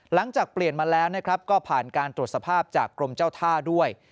หลังจากเปลี่ยนมาแล้วนะครับก็ผ่านการตรวจสภาพจากกรมเจ้าท่าด้วย